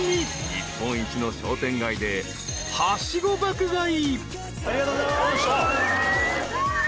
［日本一の商店街ではしご爆買い］